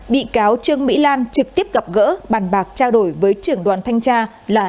bị cáo trương mỹ lan trực tiếp gặp gỡ bàn bạc trao đổi với trưởng đoàn thanh tra là